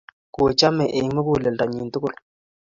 Kochomei eng muguleldonyi tugul